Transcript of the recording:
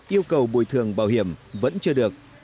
yêu cầu bồi thường bảo hiểm vẫn chưa được